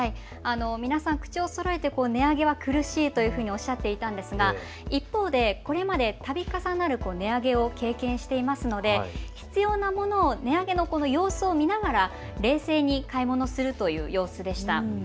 皆さん、口をそろえて値上げは苦しいとおっしゃっていたんですが一方でこれまで度重なる値上げを経験しているので必要なものを値上げの様子を見ながら冷静に買い物をするという様子でした。